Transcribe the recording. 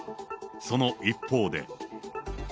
その一方で。